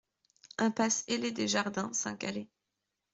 Impasse Hellé-Desjardins, Saint-Calais